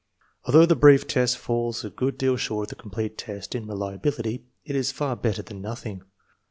Although the brief test falls a good deal short of the complete test in re liability, it is far better than nothing.